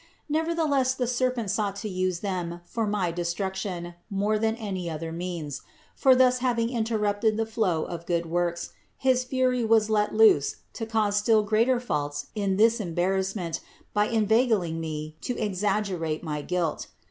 Nevertheless the serpent sought to use them for my destruction more than any other means ; for thus having interrupted the flow of good works, his fury was let loose to cause still greater faults in this embarrass ment by inveigling me to exaggerate my guilt.